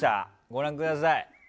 ご覧ください。